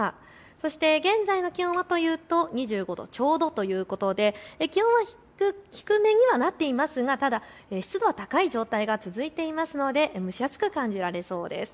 そして現在の気温はというと、２５度ちょうどということで気温は低めにはなっていますがただ湿度は高い状態が続いていますので蒸し暑く感じられそうです。